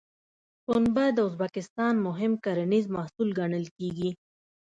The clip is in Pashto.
پنبه د ازبکستان مهم کرنیز محصول ګڼل کېږي.